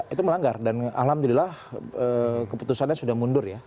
itu melanggar dan alhamdulillah keputusannya sudah mundur ya